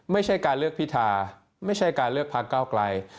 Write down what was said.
ไม่ใช่การเลือกพิธาไม่ใช่การเลือกพักเก้าไกล